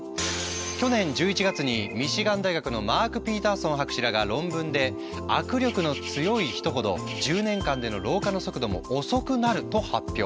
去年１１月にミシガン大学のマーク・ピーターソン博士らが論文で握力の強い人ほど１０年間での老化の速度も遅くなると発表。